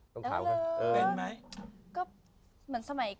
ต้องคราวค่ะเป็นไหมเออเออ